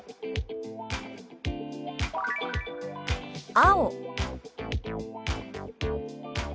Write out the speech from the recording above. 「青」。